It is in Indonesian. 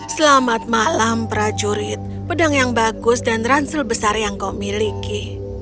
selamat malam prajurit pedang yang bagus dan ransel besar yang kau miliki